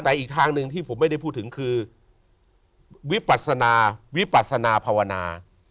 แต่อีกทางหนึ่งที่ผมไม่ได้พูดถึงคือวิปัสนาวิปัสนาภาวนา